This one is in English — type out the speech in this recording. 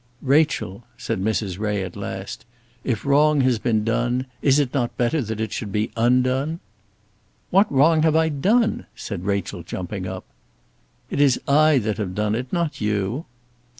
"Rachel," said Mrs. Ray at last, "if wrong has been done, is it not better that it should be undone?" "What wrong have I done?" said Rachel, jumping up. "It is I that have done it, not you."